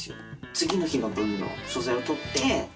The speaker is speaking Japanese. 次の日の分の素材を撮って。